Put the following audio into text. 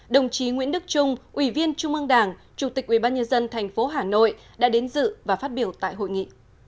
đồng chí nguyễn đức trung ủy viên trung ương đảng chủ tịch ubnd tp hà nội đã đến dự và phát biểu tại hội nghị